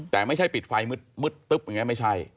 แต่ไม่ใช่ปิดไฟมึดไม่ใช่